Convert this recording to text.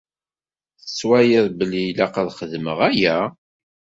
Tettwaliḍ belli ilaq ad xedmeɣ aya?